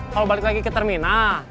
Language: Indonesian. kalau balik lagi ke terminal